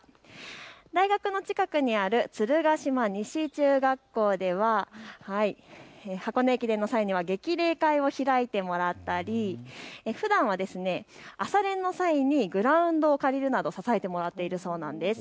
大学の近くにある鶴ヶ島西中学校では箱根駅伝の際には激励会を開いてもらったり、ふだんは朝練の際にグラウンドを借りるなど、支えてもらっているそうなんです。